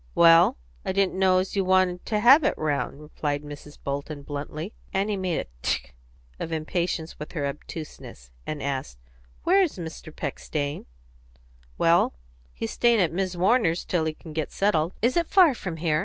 "Well I didn't know as you wanted to have it round," replied Mrs. Bolton bluntly. Annie made a "Tchk!" of impatience with her obtuseness, and asked, "Where is Mr. Peck staying?" "Well, he's staying at Mis' Warner's till he can get settled." "Is it far from here?"